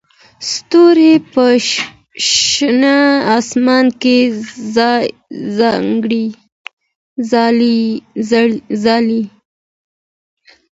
ستوري په شنه اسمان کې ځلېږي.